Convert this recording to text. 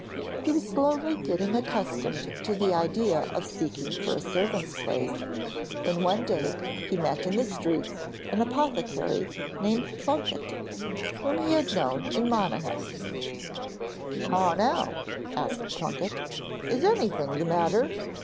He was slowly getting accustomed to the idea of seeking for a servant's place, when one day he met in the streets an apothecary named Plunket, whom he had known in Monaghan. 'How now?' asked Plunket. 'Is anything the matter?